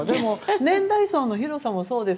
年代層の広さもそうです